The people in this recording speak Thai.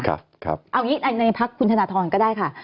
เอาอย่างนี้ในพักคุณธนทรก็ได้ค่ะ